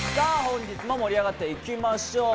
本日も盛り上がっていきましょう。